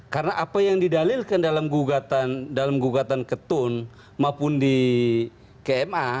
karena apa yang didalilkan dalam gugatan ke tun maupun di kma